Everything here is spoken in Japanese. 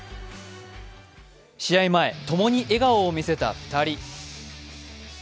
試合前、ともに笑顔を見せた２人。